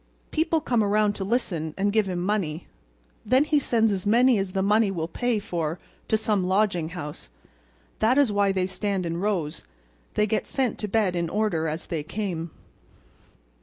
People come around to listen and give him money. Then he sends as many as the money will pay for to some lodging house. That is why they stand in rows; they get sent to bed in order as they come."